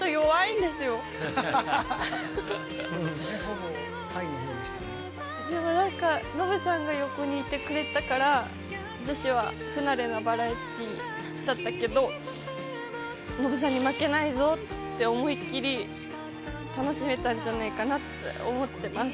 でもノブさんが横にいてくれたから、私は不慣れなバラエティだったけど、ノブさんに負けないぞって、思いっ切り楽しめたんじゃないかなって思ってます。